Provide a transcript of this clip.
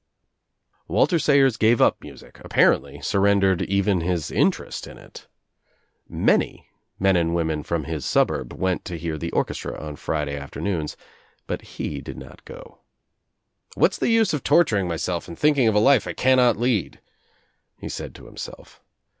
Walter Sayers gave up music, apparently surren dered even his interest in it. Many men and women from his suburb went to hear the orchestra on Friday afternoons but he did not go. "What's the use of tor turing myself and thinking of a life I cannot lead?" he said to himself.